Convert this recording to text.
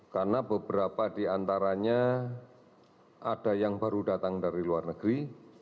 karena beberapa di antaranya ada yang baru datang dari luar negeri